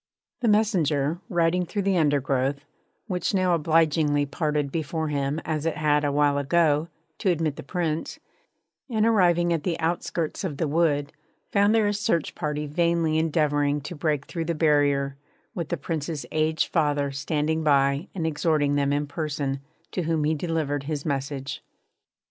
The messenger, riding through the undergrowth which now obligingly parted before him as it had, a while ago, to admit the Prince and arriving at the outskirts of the wood, found there a search party vainly endeavouring to break through the barrier, with the Prince's aged father standing by and exhorting them in person, to whom he delivered his message.